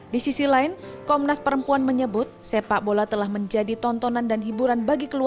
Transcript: di sisi lain komnas perempuan menyebut sepak bola telah menjadi tontonan dan hiburan bagi keluarga